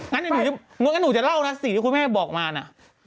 เหมือนกันหนูจะเล่านะสิที่คุณแม่บอกมาน่ะ